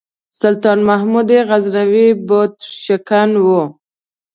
سلطان محمود غزنوي بُت شکن و.